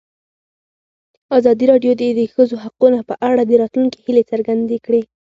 ازادي راډیو د د ښځو حقونه په اړه د راتلونکي هیلې څرګندې کړې.